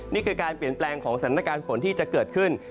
นี่คือการเปลี่ยนแปลงของสถานการณ์ฝนที่จะเกิดขึ้น